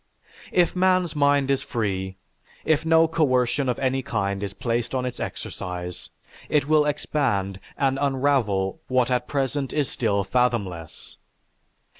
If man's mind is free, if no coercion of any kind is placed on its exercise, it will expand and unravel what at present is still fathomless.